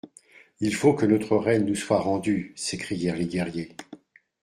Il faut que notre reine nous soit rendue ! s'écrièrent les guerriers.